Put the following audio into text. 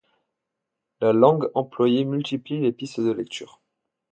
La langue employée multiplie les pistes de lecture.